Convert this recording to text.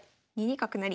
２二角成。